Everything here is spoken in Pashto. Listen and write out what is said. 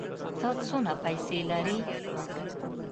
ته څونه پېسې لرې؟